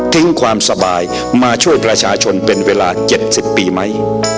ความสบายมาช่วยประชาชนเป็นเวลา๗๐ปีไหม